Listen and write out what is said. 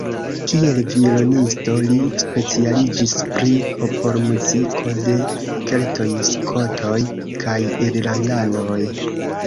Kiel violonisto, li specialiĝis pri popolmuziko de keltoj, skotoj kaj irlandanoj.